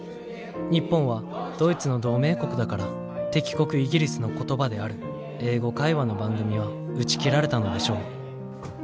日本はドイツの同盟国だから敵国イギリスの言葉である英語会話の番組は打ち切られたのでしょう。